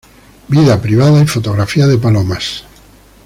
Vida privada y fotografía de palomas.